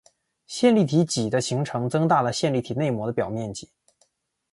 线粒体嵴的形成增大了线粒体内膜的表面积。